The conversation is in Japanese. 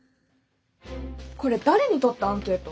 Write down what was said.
これ誰にとったアンケート？